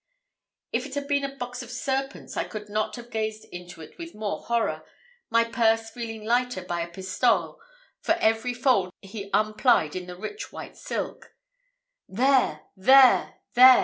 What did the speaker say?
If it had been a box of serpents I could not have gazed into it with more horror, my purse feeling lighter by a pistole for every fold he unplied in the rich white silk. "There! there! there!"